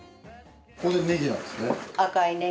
ここでネギなんですね。